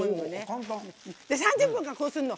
３０分間、こうするの。